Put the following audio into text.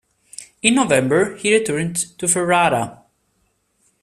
In November he returned to Ferrara.